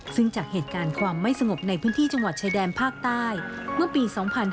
ซึ่งจากเหตุการณ์ความไม่สงบในพื้นที่จังหวัดชายแดนภาคใต้เมื่อปี๒๕๕๙